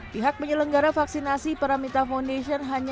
pihak penyelenggara vaksinasi paramita foundation